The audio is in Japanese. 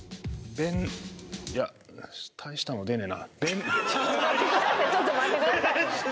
べんちょっと待ってください